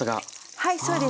はいそうです。